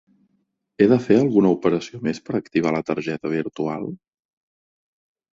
He de fer alguna operació més per activar la targeta virtual?